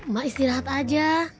emak istirahat aja